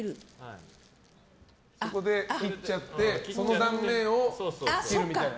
切っちゃってその断面を切るみたいな。